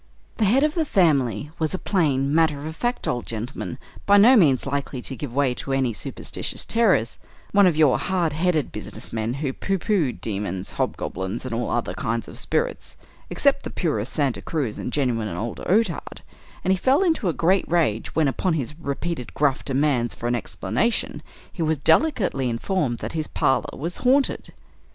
The head of the family was a plain, matter of fact old gentleman, by no means likely to give way to any superstitious terrors one of your hard headed business men who pooh poohed demons, hobgoblins, and all other kinds of spirits, except the purest Santa Cruz and genuine old Otard; and he fell into a great rage, when upon his repeated gruff demands for an explanation, he was delicately informed that his parlor was "haunted."